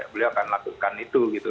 beliau akan lakukan itu gitu